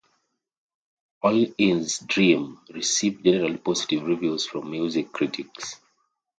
"All Is Dream" received generally positive reviews from music critics.